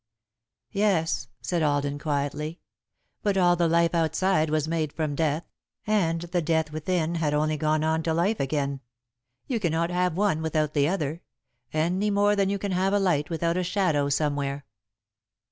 "Yes," said Alden, quietly, "but all the life outside was made from death, and the death within had only gone on to life again. You cannot have one without the other, any more than you can have a light without a shadow somewhere."